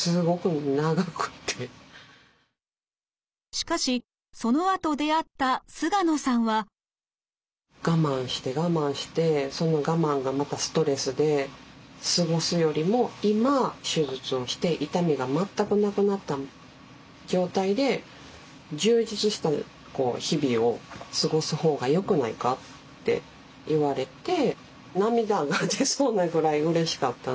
しかしそのあと出会った菅野さんは。我慢して我慢してその我慢がまたストレスで過ごすよりも今手術をして痛みが全くなくなった状態で充実した日々を過ごす方がよくないか？って言われて涙が出そうなぐらいうれしかったんで。